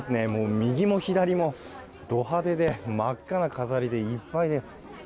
右も左もド派手で真っ赤な飾りでいっぱいです。